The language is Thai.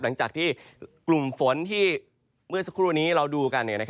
หลังจากที่กลุ่มฝนที่เมื่อสักครู่นี้เราดูกัน